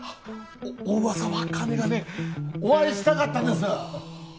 お噂はかねがねお会いしたかったです！